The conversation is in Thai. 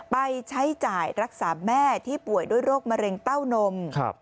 ไปใช้จ่ายรักษาแม่ที่ป่วยด้วยโรคมะเร็งเต้านม